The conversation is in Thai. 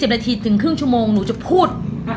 นาทีถึงครึ่งชั่วโมงหนูจะพูด